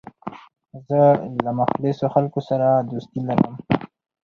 زه له مخلصو خلکو سره دوستي لرم.